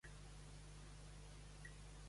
Com és part teva?